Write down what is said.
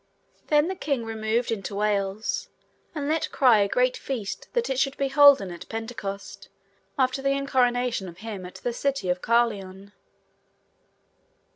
Then the king removed into Wales, and let cry a great feast that it should be holden at Pentecost after the incoronation of him at the city of Carlion.